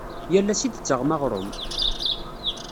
Yal ass i d-tettaɣem aɣrum?